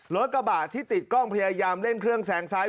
รถกระบะที่ติดกล้องพยายามเร่งเครื่องแซงซ้าย